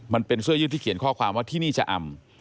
มันเป็นเสื้อยืดที่เขียนข้อความว่าที่นี่จะอำ